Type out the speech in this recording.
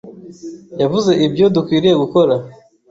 Yavuze ibyo dukwiriye gukora